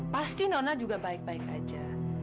pasti nona juga baik baik aja